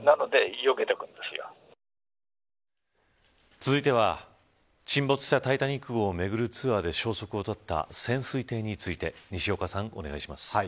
続いては沈没したタイタニック号を巡るツアーで消息を絶った潜水艇について西岡さん、お願いします。